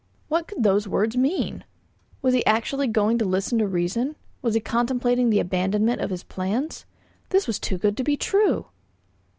What could those words mean? Was he actually going to listen to reason? Was he contemplating the abandonment of his plans? This was too good to be true.